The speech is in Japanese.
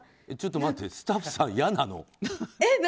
ちょっと待ってスタッフさん、いやなの？